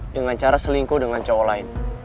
dengan cara selingkuh dengan cowok lain